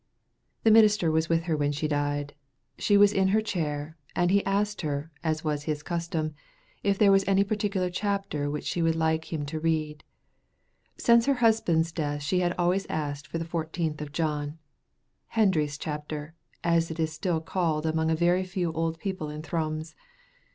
The minister was with her when she died. She was in her chair, and he asked her, as was his custom, if there was any particular chapter which she would like him to read. Since her husband's death she had always asked for the fourteenth of John, "Hendry's chapter," as it is still called among a very few old people in Thrums.